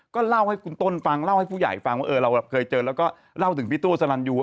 ก็เล่าให้คุณต้นฟังเล่าให้ผู้ใหญ่ฟังว่าเราเคยเจอแล้วก็เล่าถึงพี่ตัวสลันยู